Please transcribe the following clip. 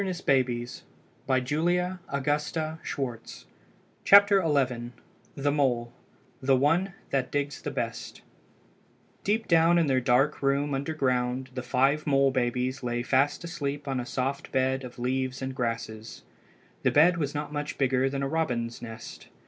XI THE MOLE "THE ONE THAT DIGS THE BEST" THE ONE THAT DIGS THE BEST DEEP down in their dark room underground the five mole babies lay fast asleep on a soft bed of leaves and grasses. The bed was not much bigger than a robin's nest.